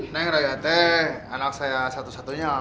neng raya teh anak saya satu satu nya